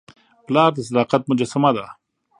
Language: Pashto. پلار د صداقت مجسمه ده.